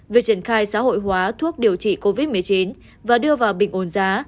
việc triển khai xã hội hóa thuốc điều trị covid một mươi chín và đưa vào bình ổn giá